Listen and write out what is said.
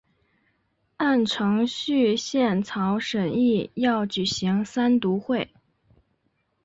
按程序宪草审议要举行三读会。